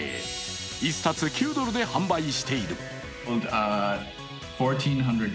１冊９ドルで販売している。